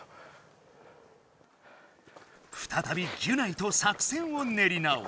ふたたびギュナイと作戦をねり直す。